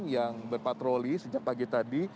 yang berpatroli sejak pagi tadi